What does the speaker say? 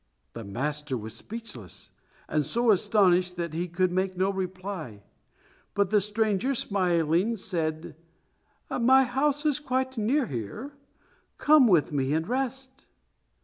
The master was speechless, and so astonished that he could make no reply. But the stranger smilingly said, "My house is quite near here; come with me and rest."